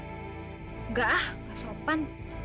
enggak ah gak sopan